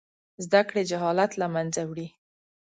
زده کړې جهالت له منځه وړي.